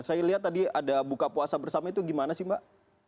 saya lihat tadi ada buka puasa bersama itu gimana sih mbak